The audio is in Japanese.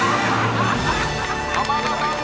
浜田さん